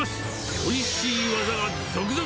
おいしい技が続々！